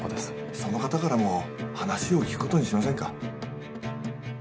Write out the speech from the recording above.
その方からも話を聞くことにしませんか？